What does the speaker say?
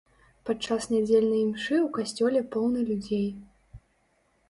Падчас нядзельнай імшы ў касцёле поўна людзей.